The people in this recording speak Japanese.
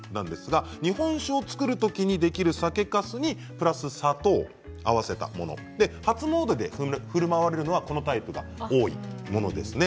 日本酒を造る時にできる酒かすにプラス砂糖を合わせたもの初詣でふるまわれるのはこのタイプが多いものですね。